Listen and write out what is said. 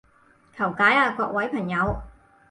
求解啊各位朋友